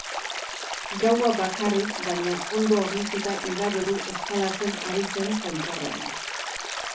Gaua bakarrik baina ondo hornituta igaro du eskalatzen ari zen tontorrean.